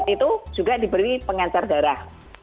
covid sembilan belas itu juga diberi pengancar darah